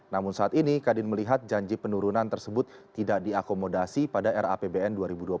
namun saat ini kadin melihat janji penurunan tersebut tidak diakomodasi pada rapbn dua ribu dua puluh